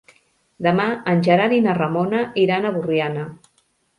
Demà en Gerard i na Ramona iran a Borriana.